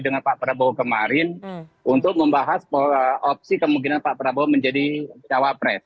dengan pak prabowo kemarin untuk membahas opsi kemungkinan pak prabowo menjadi cawapres